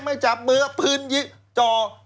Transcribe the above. ไม่จับมือพื้นจ่อ